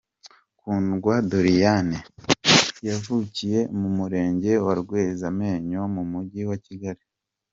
Kundwa Doriane yavukiye mu Murenge wa Rwezamenyo mu Mujyi wa Kigali.